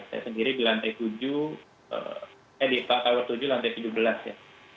saya sendiri di lantai tujuh eh di tower tujuh lantai tujuh belas ya